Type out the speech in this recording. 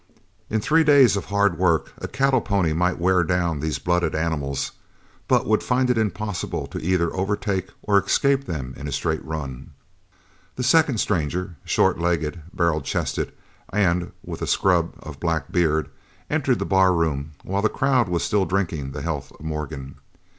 In three days of hard work a cattle pony might wear down these blooded animals, but would find it impossible to either overtake or escape them in a straight run. The second stranger, short legged, barrel chested, and with a scrub of black beard, entered the barroom while the crowd was still drinking the health of Morgan.